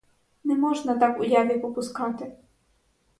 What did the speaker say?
Не можна так уяві попускати.